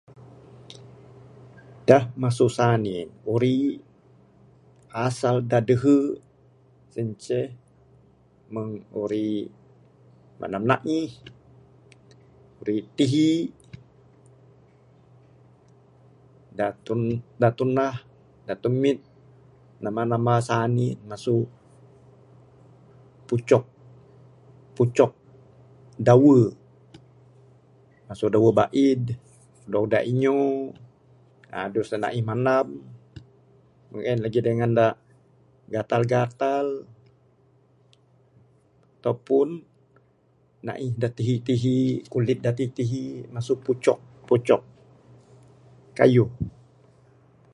Da masu sani'k, urik asal da dehu sien ceh, mung urik mandam na'ih, urik tihi', da tun, da tundah, da tumit namba namba sani'k masu pucuk, pucuk, dawe. Masu dawe ba'ed, dawu dainyu, uhh dawu sa naih mandam. Mung en lagi dengan da gatal gatal atau pun naih da tihi' tihi', kurit da tihi' tihi', masu pucuk, pucuk kayuh.